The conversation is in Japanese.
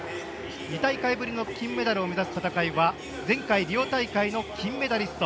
２大会ぶりの金メダルを目指す戦いは前回リオ大会の金メダリスト